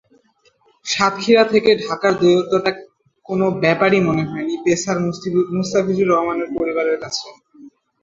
সাতক্ষীরা থেকে ঢাকার দূরত্বটা কোনো ব্যাপারই মনে হয়নি পেসার মুস্তাফিজুর রহমানের পরিবারের কাছে।